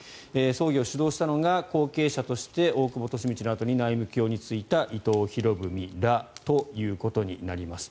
葬儀を主導したのが後継者として大久保利通のあとに内務卿に就いた伊藤博文らということになります。